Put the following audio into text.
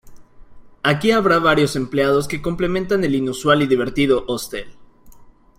Aquí habrá varios empleados que complementan el inusual y divertido hostel.